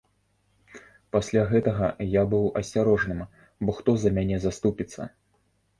Пасля гэтага я быў асцярожным, бо хто за мяне заступіцца?